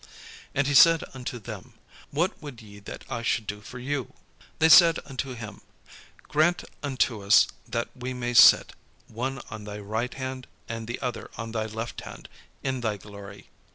And he said unto them, "What would ye that I should do for you?" They said unto him, "Grant unto us that we may sit, one on thy right hand, and the other on thy left hand, in thy glory."